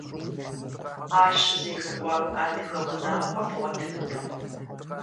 Ар щыземыкӀуэ адыгэ унагъуэ бгъуэтынутэкъым.